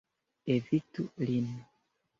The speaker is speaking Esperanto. Evitu lin.